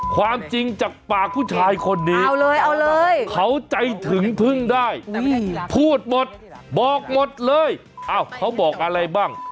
ความจริงจากปากผู้ชายคนนี้เอาเลยเอาเลยเขาใจถึงพึ่งได้พูดหมดบอกหมดเลยเขาบอกอะไรบ้าง